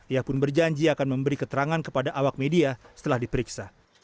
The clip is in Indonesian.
ia pun berjanji akan memberi keterangan kepada awak media setelah diperiksa